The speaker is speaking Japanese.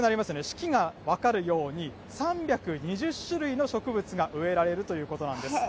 四季が分かるように、３２０種類の植物が植えられるということなんです。